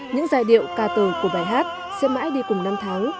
những giai điệu ca tờ của bài hát sẽ mãi đi cùng năm tháng